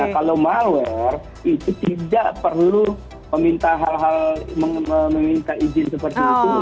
kalau malware itu tidak perlu meminta hal hal meminta izin seperti itu